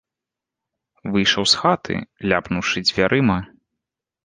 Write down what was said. Выйшаў з хаты, ляпнуўшы дзвярыма.